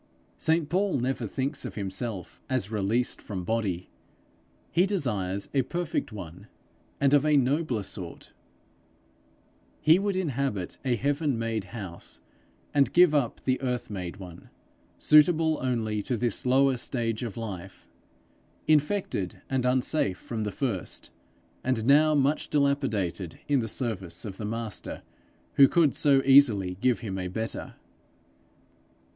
St Paul never thinks of himself as released from body; he desires a perfect one, and of a nobler sort; he would inhabit a heaven made house, and give up the earth made one, suitable only to this lower stage of life, infected and unsafe from the first, and now much dilapidated in the service of the Master who could so easily give him a better.